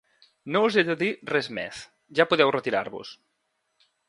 No us he de dir res més: ja podeu retirar-vos.